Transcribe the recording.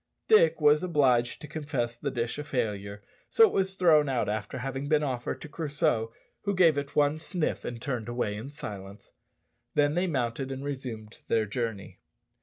Dick was obliged to confess the dish a failure, so it was thrown out after having been offered to Crusoe, who gave it one sniff and turned away in silence. Then they mounted and resumed their journey.